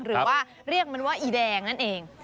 หรือว่าเรียกมันว่าอีแดงนั่นเอง